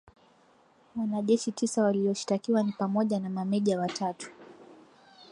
Wanajeshi tisa walioshtakiwa ni pamoja na mameja watatu